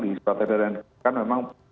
di strategi yang dikeluarkan memang